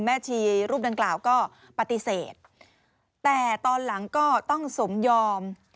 ชีรูปดังกล่าวก็ปฏิเสธแต่ตอนหลังก็ต้องสมยอม